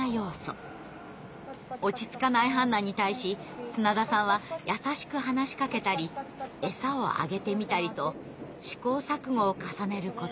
落ち着かないハンナに対し砂田さんは優しく話しかけたり餌をあげてみたりと試行錯誤を重ねること２０分。